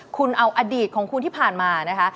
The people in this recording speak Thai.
คุณเอาอดีตของคุณที่ผ่านมานะคะ